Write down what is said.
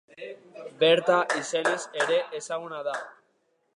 Berta izenez ere ezaguna da.